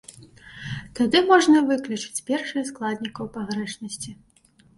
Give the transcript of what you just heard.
Тады можна выключыць першыя складнікаў пагрэшнасці.